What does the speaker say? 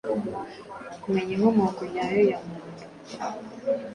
kumenya inkomoko nyayo ya muntu